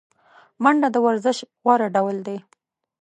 منډه د ورزش غوره ډول دی